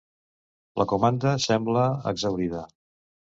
La comanda sembla exhaurida.